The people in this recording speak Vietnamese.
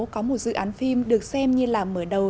có một dự án phim được xem như là mở đầu